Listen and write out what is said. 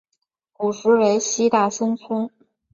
古时为西大森村。